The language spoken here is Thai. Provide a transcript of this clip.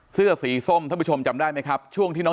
เสื้อสีส้มชมได้ไหมครับช่วงที่น้อง